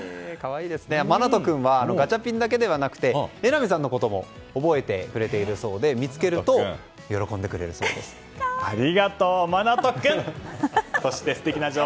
真永君はガチャピンだけではなくて榎並さんのことも覚えてくれているそうでありがとう、真永君！